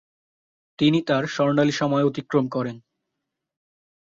তিনি তার স্বর্ণালী সময় অতিক্রম করেন।